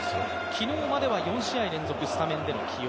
昨日までは４試合連続スタメンでの起用